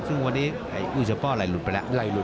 ซึ่งวันนี้กุศพ่อไหลหลุดไปแล้ว